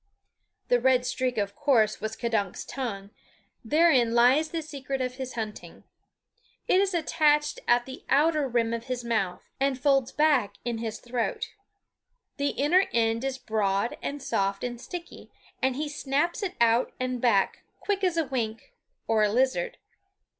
The red streak, of course, was K'dunk's tongue, wherein lies the secret of his hunting. It is attached at the outer rim of his mouth, and folds back in his throat. The inner end is broad and soft and sticky, and he snaps it out and back quick as a wink or a lizard.